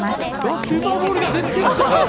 スーパーボールが出てきました！